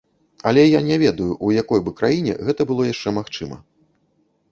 Але я не ведаю, у якой бы краіне гэта было яшчэ магчыма.